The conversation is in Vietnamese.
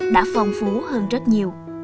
đã phong phú hơn rất nhiều